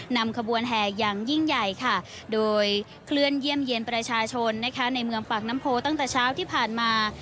นำขบวนแห่อย่างยิ่งใหญ่ค่ะโดยเคลื่อนเยี่ยมเยี่ยมประชาชนนะคะในเมืองปากน้ำโพตั้งแต่เช้าที่ผ่านมา